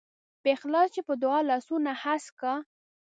په اخلاص چې په دعا لاسونه هسک کا.